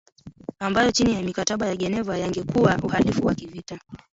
ambayo chini ya mikataba ya Geneva yangekuwa uhalifu wa kivita